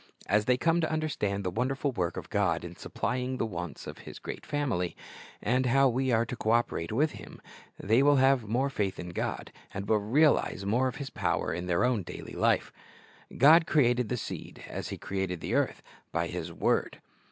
As they come to understand the wonderful work of God in supplying the wants of His great family, and how we are to co operate with Him, they will have more faith in God, and will realize more of His power in their own daily life. God created the seed, as He created the earth, by His word.